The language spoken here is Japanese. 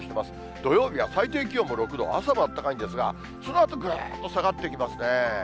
土曜日は最低気温も６度、朝はあったかいんですが、そのあとぐーんと下がってきますね。